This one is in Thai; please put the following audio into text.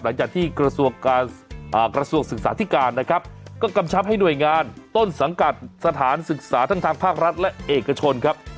หลังจากที่กระทรวงศึกษาธิการนะครับก็กำชับให้หน่วยงานต้นสังกัดสถานศึกษาทั้งทางภาครัฐและเอกชนครับ